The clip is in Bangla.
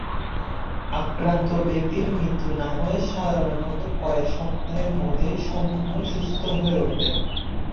আক্রান্ত ব্যক্তির মৃত্যু না হলে সাধারণত কয়েক সপ্তাহের মধ্যেই সম্পূর্ণ সুস্থ হয়ে ওঠেন।